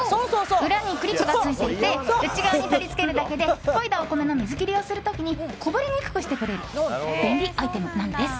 裏にクリップがついていて炊飯釜に取り付けるだけでといだお米の水切りをする時にこぼれにくくしてくれる便利なアイテムなんです。